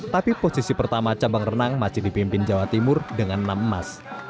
tapi posisi pertama cabang renang masih dipimpin jawa timur dengan enam emas